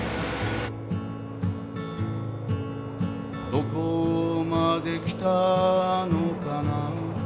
「どこまで来たのかな」